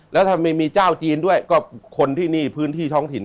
แล้วถ้าไม่มีเจ้าจีนด้วยก็คนที่นี่พื้นที่ท้องถิ่น